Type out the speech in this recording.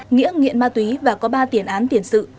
nghĩa nghiện ma túy và có ba tiền án tiền sự